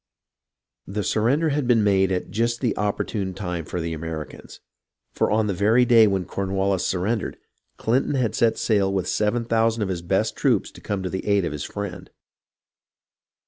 The surrender had been made at just the opportune time for the Americans, for on the very day when Corn wallis surrendered, Clinton had set sail with 7000 of his best troops to come to the aid of his friend.